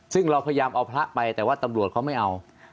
ซึ่งเราพยายามเอาพระไปแต่ว่าตำรวจเขาไม่เอา